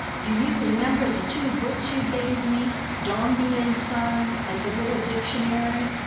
"Do you remember the two books you gave me Dombey and Son and the little dictionary?"